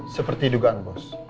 seperti dugaan bos